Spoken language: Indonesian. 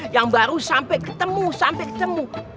yang baru sampai ketemu sampai ketemu